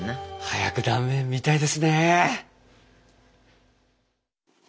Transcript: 早く断面が見たいですね。